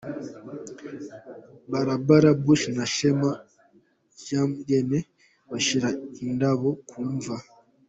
Barbara Bush na Shema Jean Rene, bashyira indabo ku mva.